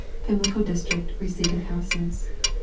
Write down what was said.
PIMLICO DISTRICT, RECEIVING HOUSES.